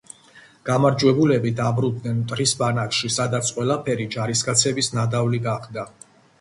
გამარჯვებულები დაბრუნდნენ მტრის ბანაკში, სადაც ყველაფერი ჯარისკაცების ნადავლი გახდა.